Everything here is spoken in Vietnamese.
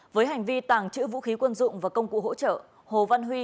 với hành vi tàng trữ vũ khí quân dụng và công cụ hỗ trợ hồ văn huy